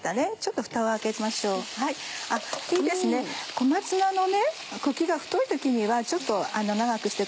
小松菜の茎が太い時にはちょっと長くしてください。